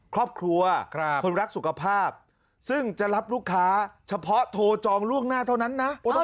ครอบครัวคนรักสุขภาพซึ่งจะรับลูกค้าเฉพาะโทรจองล่วงหน้าเท่านั้นนะ